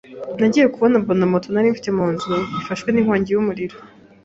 nagiye kubona mbona moto nari mfite mu nzu ifashwe n’inkongi y’umuriro,